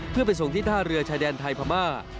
เพื่อไปส่งที่ท่าเรือชายแดนไทยพม่า